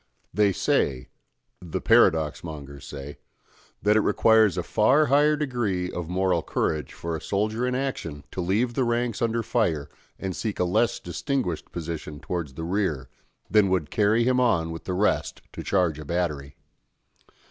They say the paradox mongers say that it requires a far higher degree of moral courage for a soldier in action to leave the ranks under fire and seek a less distinguished position towards the rear, than would carry him on with the rest to charge a battery.